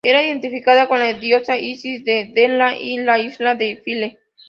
Era identificada con la diosa Isis en Dendera y la Isla de File.